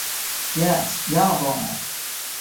Jes, ja bone!